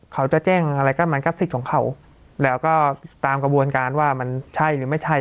เขาจะแจ้งอะไรก็มันก็สิทธิ์ของเขาแล้วก็ตามกระบวนการว่ามันใช่หรือไม่ใช่